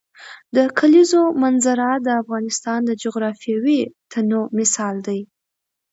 د کلیزو منظره د افغانستان د جغرافیوي تنوع مثال دی.